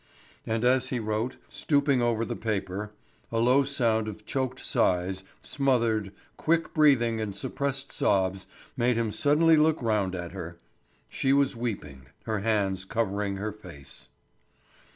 And as he wrote, stooping over the paper, a low sound of choked sighs, smothered, quick breathing and suppressed sobs made him suddenly look round at her. She was weeping, her hands covering her face.